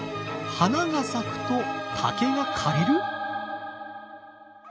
花が咲くと竹が枯れる？